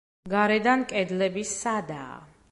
გარედან კედლები სადაა.